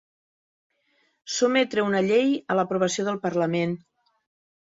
Sotmetre una llei a l'aprovació del parlament.